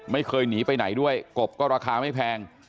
ไม่เคยหนีไปไหนด้วยกบก็ราคาไม่แพง